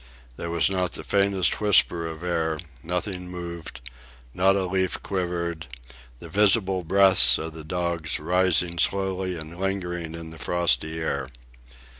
There was not the faintest whisper of air—nothing moved, not a leaf quivered, the visible breaths of the dogs rising slowly and lingering in the frosty air.